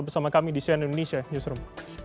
bersama kami di cnn indonesia newsroom